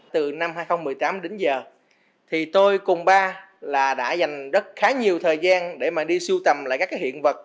từ năm hai nghìn một mươi tám đến giờ thì tôi cùng ba là đã dành rất khá nhiều thời gian để mà đi siêu tầm lại các cái hiện vật